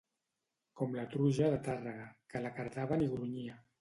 Com la truja de Tàrrega, que la cardaven i grunyia.